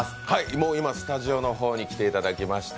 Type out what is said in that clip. もう今スタジオの方に来ていただきました。